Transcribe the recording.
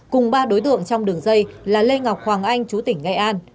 cùng ba đối tượng trong đường dây là lê ngọc hoàng anh chú tỉnh nghệ an